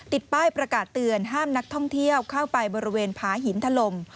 ป้ายประกาศเตือนห้ามนักท่องเที่ยวเข้าไปบริเวณผาหินถล่ม